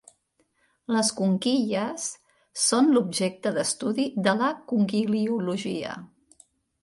Les conquilles són l'objecte d'estudi de la conquiliologia.